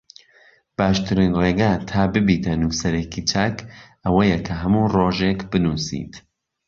باشترین ڕێگە تا ببیتە نووسەرێکی چاک ئەوەیە کە هەموو ڕۆژێک بنووسیت